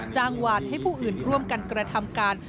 หวานให้ผู้อื่นร่วมกันกระทำการ